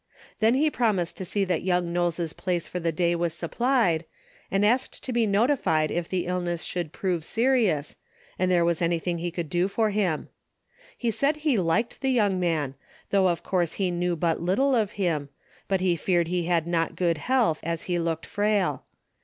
Then he promised to see that young Knowles' place for the day was supplied, and asked to be notified if the illness should prove serious, and there was anything he could do for him. He said he liked the young man, though of course he kneAV but little of him, but he feared he had not good health, as he looked frail.